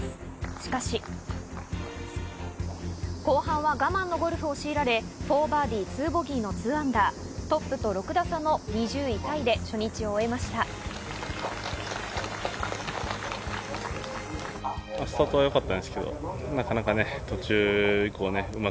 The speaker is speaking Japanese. しかし後半は我慢のゴルフを強いられ、４バーディー２ボギーの−２、トップと６打差の２０位タイで初日を終えました。